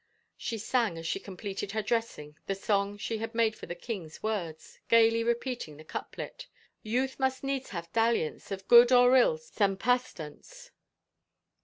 She sang as she completed her dressing the song she had made for the king's words, gayly repeating the couplet. Youth must needs have dalliance Of good or ill some pastance.